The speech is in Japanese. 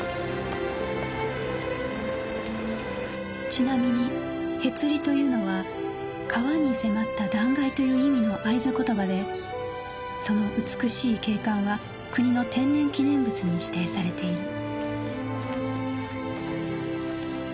ちなみにへつりというのは「川に迫った断崖」という意味の会津言葉でその美しい景観は国の天然記念物に指定されている